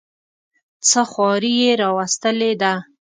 څه خواري یې راوستلې ده.